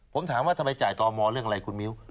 ผมถามว่าทำไมจ่ายต่อมอเรื่องอะไรคุณมิ้ว